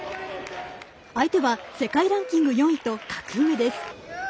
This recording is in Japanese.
相手は世界ランキング４位と格上です。